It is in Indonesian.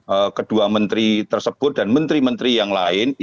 toh selama ini kedua menteri tersebut dan menteri menteri yang lain